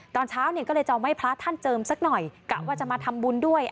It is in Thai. ตอนเช้าเนี่ยก็เลยจะเอาให้พระท่านเจิมสักหน่อยกะว่าจะมาทำบุญด้วย